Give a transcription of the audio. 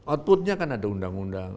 outputnya kan ada undang undang